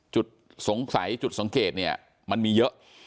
จุดสงสัยจุดสังเกตเนี่ยมันมีเยอะ